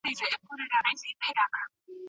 ډیجیټل بانکونه د پیسو مدیریت آسانوي.